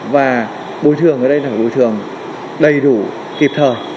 và bồi thường ở đây là bồi thường đầy đủ kịp thời